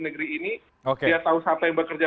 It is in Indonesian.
negeri ini dia tahu siapa yang bekerja